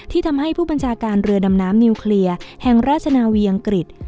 ทำให้ผู้บัญชาการเรือดำน้ำนิวเคลียร์แห่งราชนาวีอังกฤษ